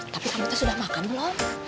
tapi kamu tuh sudah makan belum